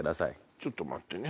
ちょっと待ってね。